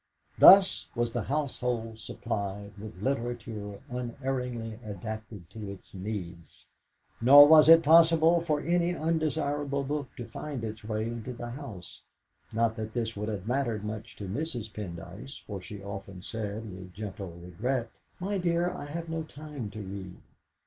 Thus was the household supplied with literature unerringly adapted to its needs; nor was it possible for any undesirable book to find its way into the house not that this would have mattered much to Mrs. Pendyce, for as she often said with gentle regret, "My dear, I have no time to read."